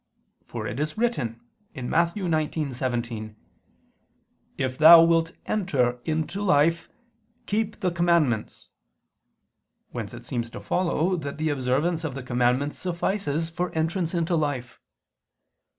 For it is written (Matt. 19:17): "If thou wilt enter into life, keep the commandments": whence it seems to follow that the observance of the commandments suffices for entrance into life.